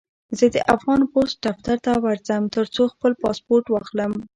زه د افغان پوسټ دفتر ته ورځم، ترڅو خپل پاسپورټ واخلم.